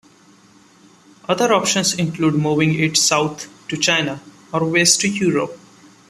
Other options include moving it south to China, or west to Europe.